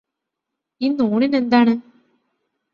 ഇന്ന് ഊണിനെന്താണ്?